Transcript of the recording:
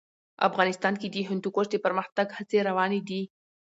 افغانستان کې د هندوکش د پرمختګ هڅې روانې دي.